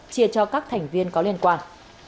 chia cho các thành viên có liên quan